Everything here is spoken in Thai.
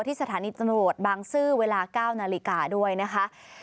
ที่สถานีตลอดบังซื้อเวลา๙นาฬิกาด้วยนะคะ